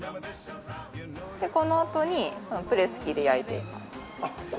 このあとにプレス機で焼いていく感じです。